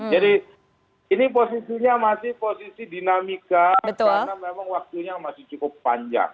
jadi ini posisinya masih posisi dinamika karena memang waktunya masih cukup panjang